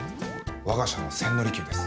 我が社の千利休です。